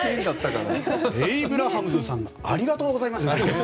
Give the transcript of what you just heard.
エイブラハムズさんありがとうございます。